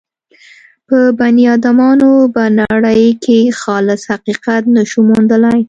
په بني ادمانو به نړۍ کې خالص حقیقت نه شو موندلای.